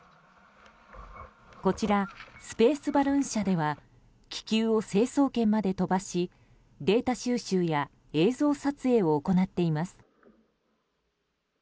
こちらスペース・バルーン社では気球を成層圏まで飛ばしデータ収集や映像撮影を行っています。